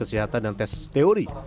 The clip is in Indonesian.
kesehatan dan tes teori